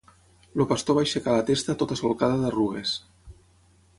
El pastor va aixecar la testa tota solcada d'arrugues